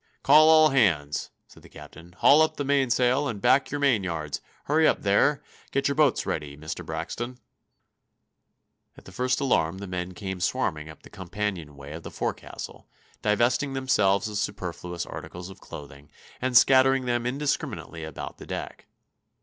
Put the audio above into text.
"Call all hands!" said the captain. "Haul up the mainsail, and back your main yards. Hurry up there! Get your boats ready, Mr. Braxton!" At the first alarm the men came swarming up the companionway of the forecastle, divesting themselves of superfluous articles of clothing, and scattering them indiscriminately about the deck.